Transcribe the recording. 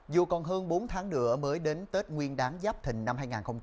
dù còn hơn bốn tháng nữa mới đến tết nguyên đáng giáp thình năm hai nghìn hai mươi bốn